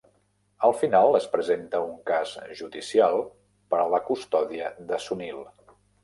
Al final es presenta un cas judicial per a la custòdia de Sunil.